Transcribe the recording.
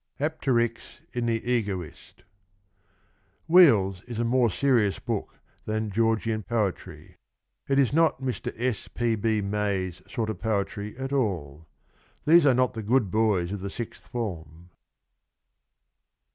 ' APTERYX ' IN THE EGOIST. ' Wheels ' is a more serious book (than ' Georgian Poetry '). It is not Mr. S. P. B. Mais' sort of poetry at all. These are not the good boys of the Sixth Form.